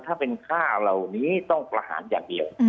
ถ้าเป็นฆ่าเหล่านี้ต้องประหารอย่างเดียว